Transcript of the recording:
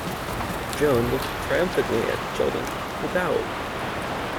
Joan looked triumphantly at Sheldon, who bowed.